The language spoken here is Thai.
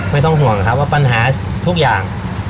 ไม่ต้องห่วงหรอกครับว่าปัญหาทุกอย่าง